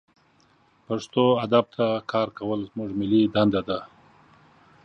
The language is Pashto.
پښتو ادب ته کار کول زمونږ ملي دنده ده